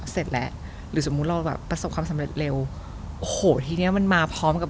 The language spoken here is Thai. เสร็จแล้วหรือสมมุติเราแบบประสบความสำเร็จเร็วโอ้โหทีเนี้ยมันมาพร้อมกับ